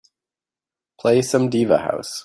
Play some diva house.